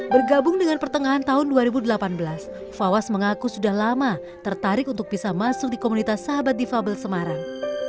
bergabung dengan pertengahan tahun dua ribu delapan belas fawas mengaku sudah lama tertarik untuk bisa masuk di komunitas sahabat difabel semarang